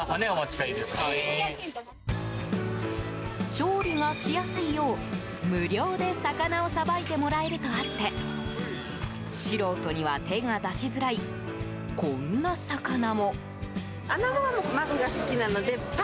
調理がしやすいよう、無料で魚をさばいてもらえるとあって素人には手が出しづらいこんな魚も。